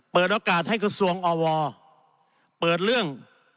เปิดโอกาสให้กระทรวงอวเปิดเรื่อง